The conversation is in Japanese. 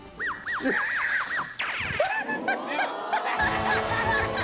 ハハハハ！